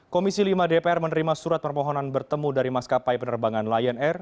komisi lima dpr menerima surat permohonan bertemu dari maskapai penerbangan lion air